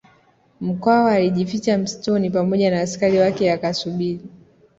Mkwawa alijificha msituni pamoja na askari wake akasubiri